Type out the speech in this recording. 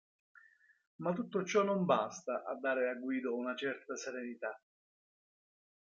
Ma tutto ciò non basta a dare a Guido una certa serenità.